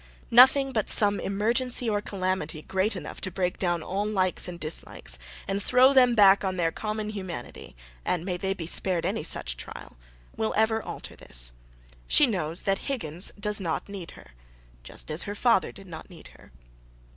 Nothing but some emergency or calamity great enough to break down all likes and dislikes, and throw them both back on their common humanity—and may they be spared any such trial!—will ever alter this. She knows that Higgins does not need her, just as her father did not need her.